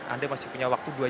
anda masih punya waktu dua jam